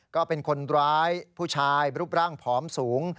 ก็เป็นคนร้ายผู้ชายรูปร่างผอมสูง